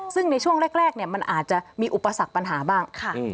ซึ่งในช่วงแรกมันอาจจะมีอุปสรรคปัญหาบ้าง